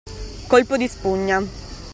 Colpo di spugna.